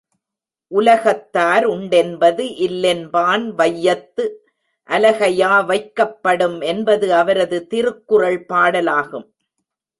உலகத்தார் உண்டென்பது இல்லென்பான் வையத்து அலகையா வைக்கப் படும் என்பது அவரது திருக்குறள் பாடலாகும்.